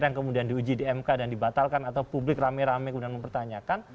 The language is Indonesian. yang kemudian diuji di mk dan dibatalkan atau publik rame rame kemudian mempertanyakan